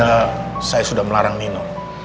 saya sudah melarang nino